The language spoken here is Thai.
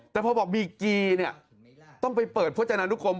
แต่พ่อบอกมีกีต้องไปเปิดพัวจังหานุกรม